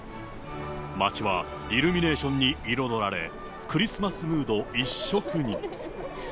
街はイルミネーションに彩られ、クリスマスムード一色に。